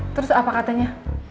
terus apa katanya